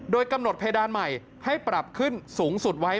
โดยกำหนดเพดานใหม่ให้ปรับขึ้นสูงสุดไว้